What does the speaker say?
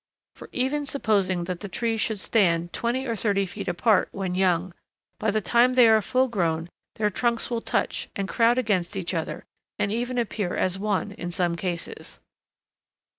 For even supposing that the trees should stand twenty or thirty feet apart while young, by the time they are full grown their trunks will touch and crowd against each other and even appear as one in some cases.